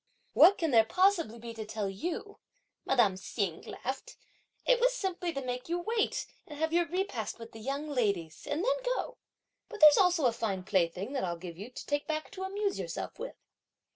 "What can there possibly be to tell you?" madame Hsing laughed; "it was simply to make you wait and have your repast with the young ladies and then go; but there's also a fine plaything that I'll give you to take back to amuse yourself with."